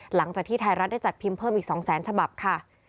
หลังจากที่ไทยรัฐได้จัดพิมพ์เพิ่มอีก๒แสนฉบับค่ะ